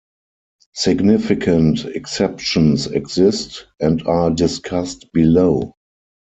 Significant exceptions exist, and are discussed below.